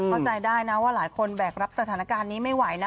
เข้าใจได้นะว่าหลายคนแบกรับสถานการณ์นี้ไม่ไหวนะ